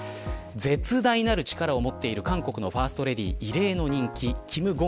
絶大なる力を持っている韓国のファーストレディー異例の人気金建